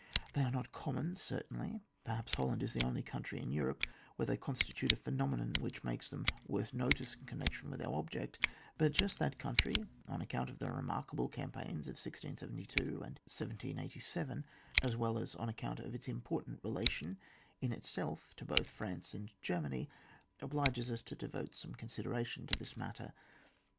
They are not common certainly; per haps Holland is the only country in Europe where they constitute a pheno menon which makes them worth notice in connection with our object ; but just that country, on account of the remark able campaigns of 1672 and 1787, as well as on account of its important rela tion in itself to both France and Germany, obliges us to devote some consideration to this matter.